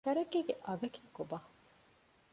ތަރައްގީގެ އަގަކީ ކޮބާ؟